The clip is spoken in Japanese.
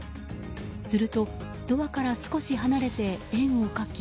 すると、ドアから少し離れて円を描き。